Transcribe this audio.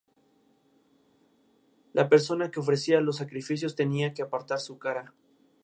O’Higgins había decidido dejar el país y trasladarse a Europa.